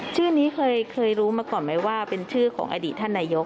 ชื่อนี้เคยรู้มาก่อนไหมว่าเป็นชื่อของอดีตท่านนายก